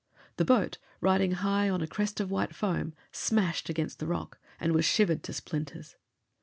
The boat, riding high on a crest of white foam, smashed against the rock and was shivered to splinters.